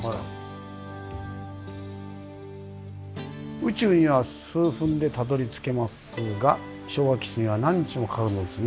「宇宙には数分でたどり着けますが昭和基地には何日もかかるのですね。